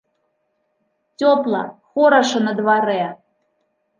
Цёпла, хораша на дварэ.